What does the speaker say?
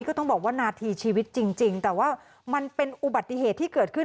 ก็ต้องบอกว่านาทีชีวิตจริงแต่ว่ามันเป็นอุบัติเหตุที่เกิดขึ้น